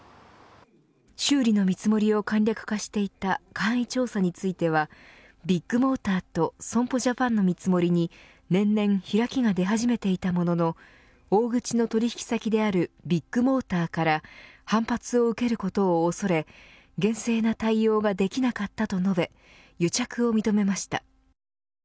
修理の見積もりを簡略化していた簡易調査についてはビッグモーターと損保ジャパンの見積もりに年々開きが出始めていたものの大口の取引先であるビッグモーターから反発を受けることを恐れ厳正な対応ができなかったと述べ癒着を認めました。